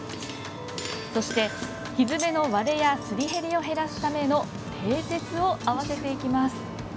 そして、ひづめの割れやすり減りを減らすための蹄鉄を合わせていきます。